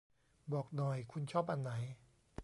บอกหน่อย คุณชอบอันไหน